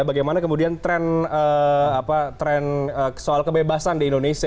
bagaimana kemudian tren soal kebebasan di indonesia